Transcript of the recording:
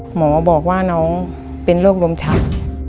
หมอบอกว่าน้องเป็นโรคลมชัก